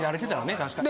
確かに。